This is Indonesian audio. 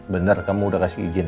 benar kamu udah kasih izin